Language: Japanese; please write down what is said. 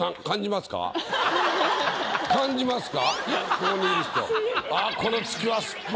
ここにいる人。